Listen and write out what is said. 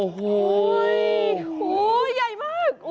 โอ้โหใหญ่มาก